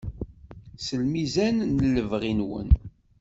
S lmizan n lebɣi-nwen.